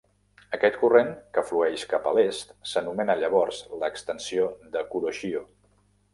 Aquest corrent que flueix cap a l'est s'anomena llavors l'Extensió de Kuroshio.